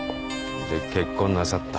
で結婚なさった。